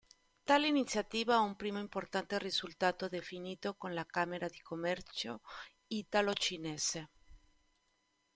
Tale iniziativa ha un primo importante risultato definito con la Camera di Commercio italo-cinese.